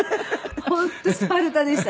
本当スパルタでしたね。